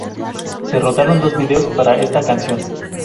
Se rodaron dos vídeos para esta canción.